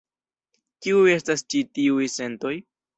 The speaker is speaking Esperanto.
Kiuj estas ĉi tiuj sentoj?